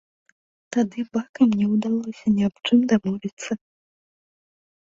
Тады бакам не ўдалося ні аб чым дамовіцца.